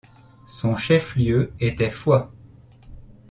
Son chef-lieu était Foix.